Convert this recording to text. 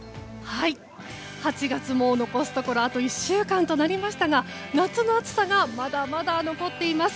８月も残すところあと１週間となりましたが夏の暑さがまだまだ残っています。